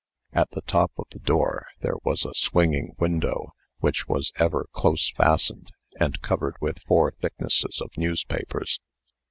At the top of the door there was a swinging window, which was ever close fastened, and covered with four thicknesses of newspapers.